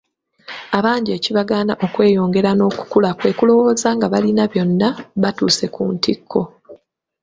Abangi ekibagaana okweyongera n'okukula, kwe kulowooza nga balina byonna, batuuse ku ntikko.